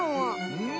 うん。